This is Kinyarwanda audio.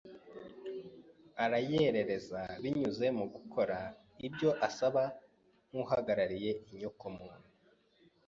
arayerereza binyuze mu gukora ibyo asaba nk’uhagarariye inyoko muntu.